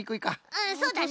うんそうだね。